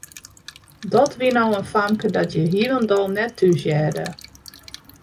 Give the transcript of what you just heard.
Dat wie no in famke dat hjir hielendal net thúshearde.